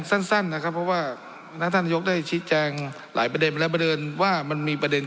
สั้นนะครับเพราะว่าท่านนายกได้ชี้แจงหลายประเด็นและประเด็นว่ามันมีประเด็น